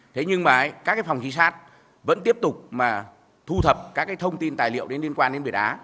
thế nhưng mà các cái phòng trí sát vẫn tiếp tục mà thu thập các cái thông tin tài liệu liên quan đến việt á